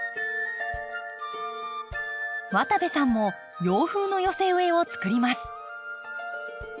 渡部さんも洋風の寄せ植えを作ります。